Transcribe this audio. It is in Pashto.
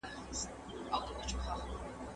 حیات الله ته د خپل ځوانۍ هر ساعت ډېر قیمتي ښکارېده.